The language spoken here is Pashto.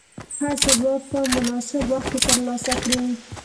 هر څه به په مناسب وخت کې ترلاسه کړې.